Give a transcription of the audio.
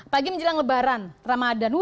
pagi menjelang lebaran ramadhan